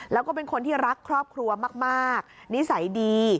แล้วก็เป็นคนที่รักครอบครัวมากนิสัยดี